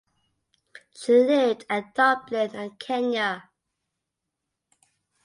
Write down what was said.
She lived at Dublin and Kenya.